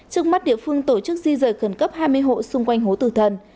trước mắt địa phương tổ chức di rời khẩn cấp hai mươi hộ xung quanh hố tử thần